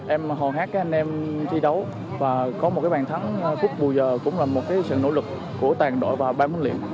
em hò hát cái anh em thi đấu và có một cái bàn thắng phút bùi giờ cũng là một cái sự nỗ lực của toàn đội và ban huấn luyện